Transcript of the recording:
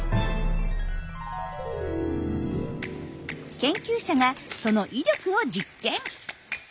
研究者がその威力を実験。